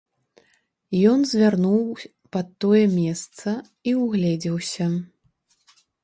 Ён звярнуў пад тое месца і ўгледзеўся.